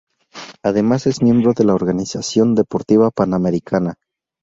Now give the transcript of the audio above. Además es miembro de la Organización Deportiva Panamericana.